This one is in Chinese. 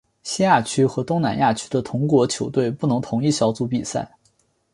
西亚区和东南亚区的同国球队不能同一小组比赛。